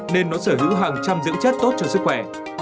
nên nó sở hữu hàng trăm dưỡng chất tốt cho sức khỏe